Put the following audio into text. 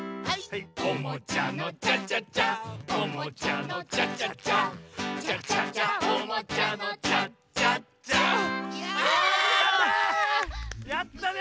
「おもちゃのチャチャチャおもちゃのチャチャチャ」「チャチャチャおもちゃのチャチャチャ」やったやったね。